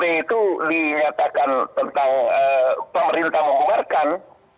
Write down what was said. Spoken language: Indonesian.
dalam skt itu dinyatakan tentang pemerintah mengeluarkan